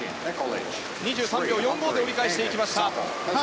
２３秒４５で折り返していきました。